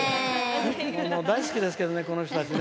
大好きですけどね、この人たちね。